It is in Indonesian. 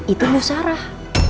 itu bu sarah